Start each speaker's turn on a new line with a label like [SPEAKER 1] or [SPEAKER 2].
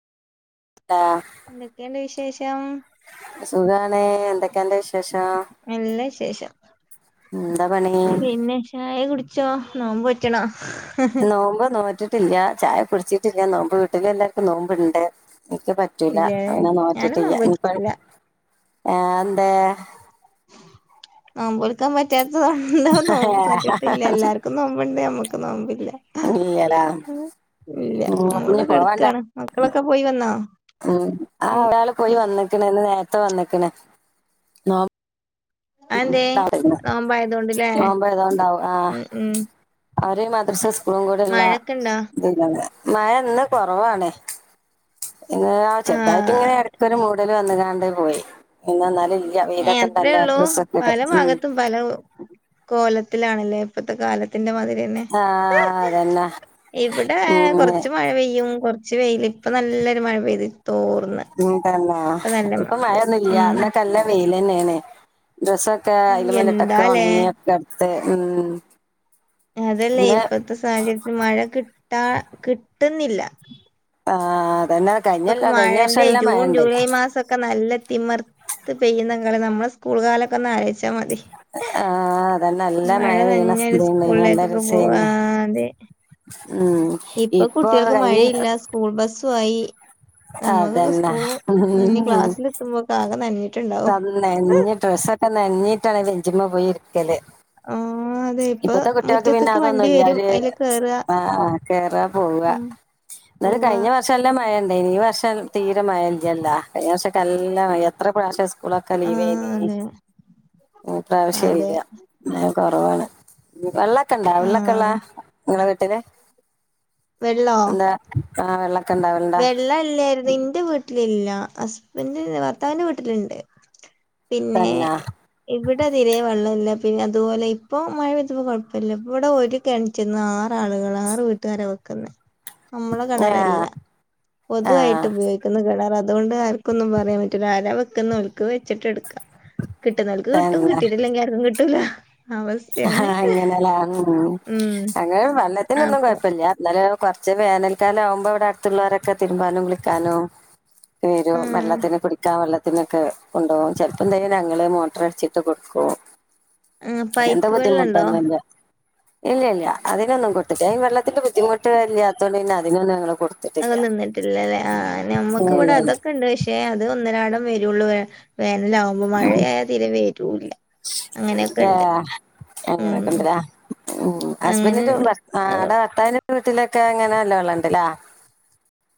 [SPEAKER 1] ആഹ്
[SPEAKER 2] എന്തൊക്കെയുണ്ട് വിശേഷം
[SPEAKER 1] സുഖാണ് എന്തൊക്കെയാന്റെ വിശേഷം
[SPEAKER 2] നല്ലാ വിശേഷം
[SPEAKER 1] എന്താ പണി
[SPEAKER 2] പിന്നെ ചായ കുടിച്ചോ നോമ്പ് വെച്ചണോ
[SPEAKER 1] നോമ്പ് നോറ്റിട്ടില്ല ചായ കുടിച്ചിട്ടില്ല നോമ്പ് വീട്ടില് എല്ലാവർക്കും നോമ്പുണ്ട് എനിക്ക് പറ്റ് പറ്റൂല
[SPEAKER 2] ഇല്ലേ
[SPEAKER 1] പിന്നെ
[SPEAKER 2] ഞാനും
[SPEAKER 1] നോറ്റിട്ടില്ല
[SPEAKER 2] നോമ്പ്
[SPEAKER 1] ഇനിപ്പോ
[SPEAKER 2] നോറ്റിട്ടില്ല
[SPEAKER 1] ഏ എന്തേ
[SPEAKER 2] നോമ്പെടുക്കാൻ പറ്റാത്തതു കൊണ്ടാണോ തോറ്റിട്ടില്ല എല്ലാർക് ക്കും നോമ്പുണ്ടേ നമ്മുക്ക് നോമ്പില്ല
[SPEAKER 1] അല്ലേലാ
[SPEAKER 2] ഇല്ല
[SPEAKER 1] ഉം കുഞ്ഞ്
[SPEAKER 2] നമ്മളിവിടെ
[SPEAKER 1] പോവാണ്ടാ
[SPEAKER 2] കെടക്കാണ് മക്കളൊക്കെ പോയി വന്നോ
[SPEAKER 1] ഉം ആ ഒരാള് പോയി വന്നേക്കണ് ഇന്ന് നേരത്തെ വന്നേക്കണ്
[SPEAKER 2] അതെന്തേ
[SPEAKER 1] ണ്ടാടെ നിന്നോ
[SPEAKER 2] നോമ്പായതോണ്ട്ല്ലേ
[SPEAKER 1] നോമ്പായതോണ്ടാവും ആഹ്
[SPEAKER 2] ഉം ഉം
[SPEAKER 1] അവര് മദ്രസേം സ്കൂളും കൂടെ ഉള്ള
[SPEAKER 2] മഴൊക്കെണ്ടോ
[SPEAKER 1] ഇതില്ലാന്ന് മഴ ഇന്ന് കൊറവാണേ ഇന്ന് ദാ ചെറുതായിട്ട് ഇങ്ങനെ
[SPEAKER 2] ആഹ്
[SPEAKER 1] ഇടക്കൊരു മൂടല് വന്ന് ദാണ്ടേ പോയി ഇന്ന് എന്നാല്
[SPEAKER 2] ഏഹ് അത്രേ
[SPEAKER 1] അവിയലൊക്കത്തല്ല
[SPEAKER 2] ഉള്ളൂ
[SPEAKER 1] ഡ്രസ്സ്
[SPEAKER 2] പല ഭാഗത്തും പല കോലത്തിലാണല്ലേ ഇപ്പത്തെ കാലത്തിന്റെ മാതിരിയെന്നെ
[SPEAKER 1] ആഹ് അതന്നെ
[SPEAKER 2] ഇവിടെ
[SPEAKER 1] ഉം
[SPEAKER 2] കൊറച്ച് മഴ പെയ്യും കൊറ ച്ച് വെയില് ഇപ്പ നല്ലൊരു മഴ പെയ്ത് തോർന്ന്
[SPEAKER 1] ഉം തന്നെ
[SPEAKER 2] നല്ല മ
[SPEAKER 1] ഇപ്പൊ
[SPEAKER 2] ഇത്
[SPEAKER 1] മഴയൊന്നുംല്യ
[SPEAKER 2] ഉം
[SPEAKER 1] ഇന്നൊക്കല്ല വെയിലന്നേണ് ഡ്രസ്സോ ക്കെ
[SPEAKER 2] ഉം
[SPEAKER 1] അയില് മേലിട്ടൊക്കെ
[SPEAKER 2] എന്താലേ
[SPEAKER 1] ഉണങ്ങിയൊക്കെടുത്ത് ഉം
[SPEAKER 2] അതല്ലേ
[SPEAKER 1] ഇന്ന്
[SPEAKER 2] ഇപ്പത്തെ സാഹചര്യത്തിൽ മഴ കിട്ടാ കിട്ട്ന്നില്ല
[SPEAKER 1] ആഹ് അതന്നെ
[SPEAKER 2] ഇപ്പൊക്കെ
[SPEAKER 1] കഴിഞ്ഞല്ല കഴിഞ്ഞ വർഷം
[SPEAKER 2] മഴേന്റെ
[SPEAKER 1] എല്ലാം മഴ
[SPEAKER 2] ജൂൺ
[SPEAKER 1] ഉണ്ടായി
[SPEAKER 2] ജൂലൈ മാസൊക്കെ നല്ല തിമർ ത്ത് പെയ്യുന്നങ്കള് നമ്മളെ സ്കൂൾ കാലൊക്കൊന്ന് ആലോയിച്ചാമതി
[SPEAKER 1] ആഹ് അതെന്നെ നല്ല മഴ പെയണ
[SPEAKER 2] നനഞ്ഞൊരു
[SPEAKER 1] സ്ഥിതിണ്ടേയ്നി നല്ല
[SPEAKER 2] സ്കൂളിലേക്കൊക്കെ പോവാ
[SPEAKER 1] രസെയ്നി
[SPEAKER 2] അതെ
[SPEAKER 1] മ്മ്
[SPEAKER 2] ഇപ്പൊ കുട്യാൾക്ക് മഴയില്ല സ്കൂൾ ബസ്സുആയി
[SPEAKER 1] അതന്നെ
[SPEAKER 2] എത്തുമ്പോകാകെ നഞ്ഞിട്ട്ണ്ടാ
[SPEAKER 1] ന്ന് നഞ്ഞ്ഡ്രെസൊക്കെ നഞ്ഞിട്ടാണ് ബെഞ്ചിമ്മ പോയി ഇരിക്കല്
[SPEAKER 2] മ്മ്
[SPEAKER 1] ഇപ്പത്തെ കുട്യാക്ക് പിന്നെ അതൊന്നുല്ലാര്
[SPEAKER 2] അയില് കേറാ
[SPEAKER 1] ആഹ് കേറാ പോവ
[SPEAKER 2] ഉം
[SPEAKER 1] ന്നാലും
[SPEAKER 2] പോവാ
[SPEAKER 1] കഴിഞ്ഞ വർ ക്ഷെ നല്ല മഴണ്ടേയ്നി ഈ വർഷം തീരെ മഴ ഇല്യല്ല കഴിഞ്ഞ വർഷോക്കല്ല മഴ എത്ര പക്ഷേ സ്കൂളൊക്കെ ലീവെയ്നി
[SPEAKER 2] ആഹ് അതെ
[SPEAKER 1] ഈ
[SPEAKER 2] അതെ
[SPEAKER 1] പ്രാവശ്യല്ല മഴ കോറവാണ് വെള്ളക്കണ്ടാ വെള്ളക്കള്ളെ
[SPEAKER 2] ആഹ്
[SPEAKER 1] ഇങ്ങളെ വീട്ടില്
[SPEAKER 2] വെള്ളോ
[SPEAKER 1] എന്താ ആഹ് വെള്ളക്കണ്ട
[SPEAKER 2] വെള്ളല്ലെര്ന്ന് ഇന്റെ വീട്ടിലില്ല ഹസ്ബൻഡ് ഭർത്താവിന്റെ വീട്ടില്ണ്ട് പിന്നെ
[SPEAKER 1] തന്നാ
[SPEAKER 2] ഇവിടെ തിരെേ വെള്ളല്ല പിന്നെ അതുപോലെ ഇപ്പോ മഴ പെയ്തപ്പോ കുഴപ്പല്ല ഇവിടെ ഒര് കെണ്റ്റിന്ന ആറാളുകളാ ആറ് വീട്ടുകാര വെക്കുന്നെ നമ്മളെ കെണറല്ല
[SPEAKER 1] ആഹ്
[SPEAKER 2] പൊതുവായിട്ട്
[SPEAKER 1] ആഹ്
[SPEAKER 2] ഉപയോഗിക്കുന്ന കിണറതുകൊണ്ട് ആർക്കൊന്നും പറയാൻ പറ്റില്ല ആരാ വെക്കുന്നെ ഓല്ക്ക് വെച്ചിട്ട് എടുക്ക കിട്ട്നോൽക്ക് കിട്ടും
[SPEAKER 1] തന്നെ
[SPEAKER 2] കിട്ടിട്ടില്ലെങ്കി ആർക്കും കിട്ടൂല
[SPEAKER 1] അഹാ
[SPEAKER 2] അവസ്ഥയാണ്
[SPEAKER 1] അങ്ങനെലെ ഉം അങ്ങനെ വെള്ളത്തിനൊന്നും
[SPEAKER 2] അപ്പൊ
[SPEAKER 1] കൊഴപ്പല്യാ ഇന്നലെ കോറ്ച്ച് വേനൽക്കാലാകുമ്പോ ഇവിടെ അടുത്തുള്ളോരേക്കെ തിരുമ്പാനും കുളിക്കാനും വരും
[SPEAKER 2] ഉം
[SPEAKER 1] വെള്ളത്തിന് കുടിക്കാൻ വെള്ളത്തിനൊക്കെ കൊണ്ടോകും ചിലപ്പോ എന്തെങ്കിലും ഞങ്ങൾ മോട്ടറടിച്ചിട്ട് കൊടുക്കും
[SPEAKER 2] ആഹ്
[SPEAKER 1] അങ്ങന് ത്തെ
[SPEAKER 2] പൈപ്പ് വെള്ളണ്ടോ
[SPEAKER 1] ബുദ്ധിമുട്ടോന്നുല്ല ഇല്ലല്ല അതിനൊന്നും കൊട്ത്റ്റ വെള്ളത്തിന്റെ ബുദ്ധിമുട്ട് ഇല്യാതോണ്ട് പിന്നെ അതിനൊന്നും ഞങ്ങള് കൊട്
[SPEAKER 2] അതോ നിന്നിട്ടില്ലല്ലേ ആഹ് ഞമ്മക്കിവിടെ
[SPEAKER 1] ഇല്ലല്ല
[SPEAKER 2] അതൊക്കെണ്ട് വിഷ പക്ഷെ അത് ഒന്നരടം വരുള്ളൂ വേ വേനലാകുമ്പോ മഴയയാ തീരെ വരൂല്ല
[SPEAKER 1] ഏ
[SPEAKER 2] അങ്ങനെയൊക്കെണ്ട് ഉം
[SPEAKER 1] അങ്ങനെക്ക്ണ്ട്ലെ ഉം ഹസ്ബന്റിന്റെ
[SPEAKER 2] അങ്ങനെണ്ട്
[SPEAKER 1] ഭർ ആടെ ഭർത്താവിന്റെ വീട്ടിലൊക്കെ അങ്ങനെ നല്ല വെള്ളണ്ട്ലെ